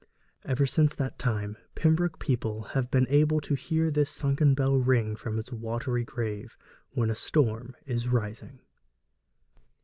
Ever since that time, Pembroke people have been able to hear this sunken bell ring from its watery grave when a storm is rising.